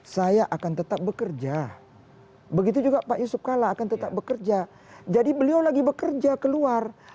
saya akan tetap bekerja begitu juga pak yusuf kalla akan tetap bekerja jadi beliau lagi bekerja keluar